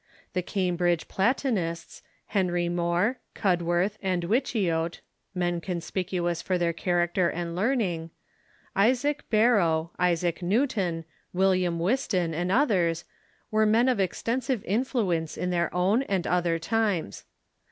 The Cambridge Pla tonists, Henry More, Cud worth, and Whichcote (men conspicuous for their character and learning), Isaac Barrow, Isaac Newton, William Whiston, and others, were men of ex tensive influence on their OAvn and other times.